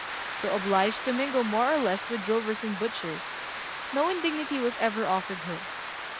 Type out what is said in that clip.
Though obliged to mingle more or less with drovers and butchers, no indignity was ever offered her.